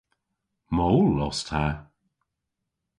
Mool os ta.